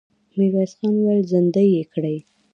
ميرويس خان وويل: زندۍ يې کړئ!